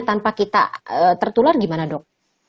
tanpa kita tertular gimana dok